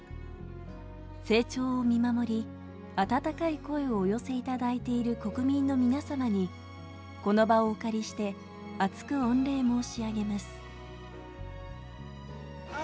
成長を見守り、温かい声をお寄せいただいている国民の皆様に、この場をお借りして厚く御礼申し上げます。